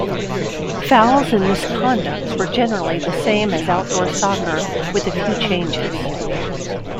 Fouls and misconducts were generally the same as outdoor soccer with a few changes.